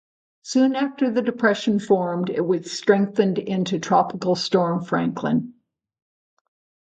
Soon after the depression formed, it strengthened into Tropical Storm Franklin.